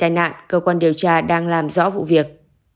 tai nạn cơ quan điều tra đang làm rõ vụ việc